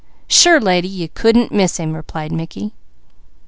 "Sure lady, you couldn't miss him," replied Mickey.